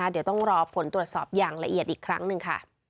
เดี๋ยวต้องรอผลตรวจสอบอย่างละเอียดอีกครั้งหนึ่งค่ะ